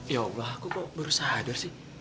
ya allah aku kok baru sadar sih